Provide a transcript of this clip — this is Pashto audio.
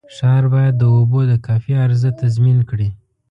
ښار باید د اوبو د کافي عرضه تضمین کړي.